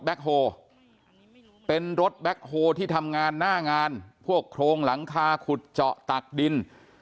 โฮเป็นรถแบ็คโฮที่ทำงานหน้างานพวกโครงหลังคาขุดเจาะตักดิน